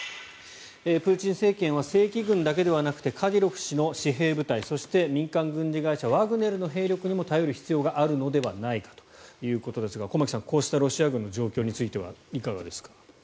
プーチン政権は正規軍だけではなくてカディロフ氏の私兵部隊そして民間軍事会社ワグネルの兵力にも頼る必要があるのではないかということですが駒木さん、こうしたロシア軍の状況についてはいかがですか。